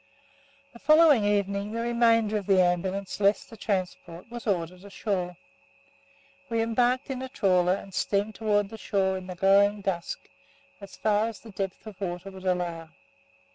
The following evening the remainder of the Ambulance, less the transport, was ordered ashore. We embarked in a trawler, and steamed towards the shore in the growing dusk as far as the depth of water would allow.